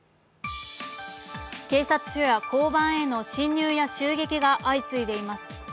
警察署や交番への侵入や襲撃が相次いでいます